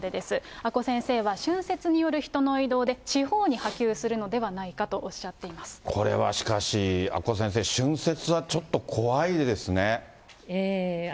阿古先生は春節による人の移動で、地方に波及するのではないかとおこれはしかし、阿古先生、春ええ。